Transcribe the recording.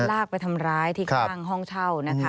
ลากไปทำร้ายที่ข้างห้องเช่านะคะ